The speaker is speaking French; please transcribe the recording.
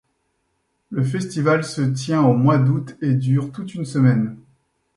Le festival se tient au mois d'août et dure toute une semaine.